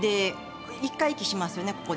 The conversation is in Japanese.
１回、息をしますよね